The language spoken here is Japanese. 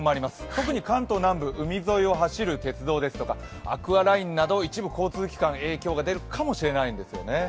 特に関東南部、海沿いを走る鉄道ですとかアクアラインなど一部交通機関影響が出るかもしれないんですよね。